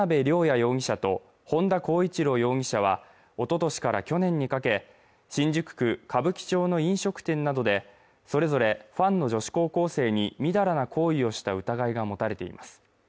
容疑者と本田孝一朗容疑者はおととしから去年にかけ新宿区歌舞伎町の飲食店などでそれぞれファンの女子高校生にみだらな行為をした疑いが持たれています